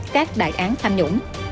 các đại án tham nhũng